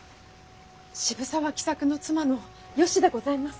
渋沢喜作の妻のよしでございます。